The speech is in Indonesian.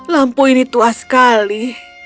lampu ini tua sekali